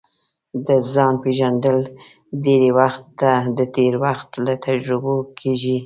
د ځان پېژندل ډېری وخت د تېر وخت له تجربو کیږي